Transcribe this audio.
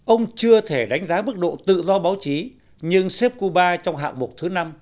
ông chưa thể đánh giá mức độ tự do báo chí nhưng xếp cuba trong hạng mục thứ năm